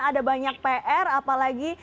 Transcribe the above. ada banyak pr apalagi